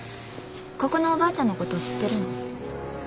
ここのおばあちゃんのこと知ってるの？